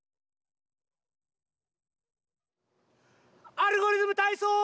「アルゴリズムたいそう」！